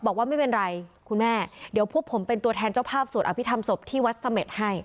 บอกว่าไม่เป็นไรคุณแม่เดี๋ยวพวกผมเป็นตัวแทนเจ้าภาพสวดอภิษฐรรมศพที่วัดเสม็ดให้